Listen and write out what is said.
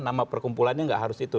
nama perkumpulannya nggak harus itu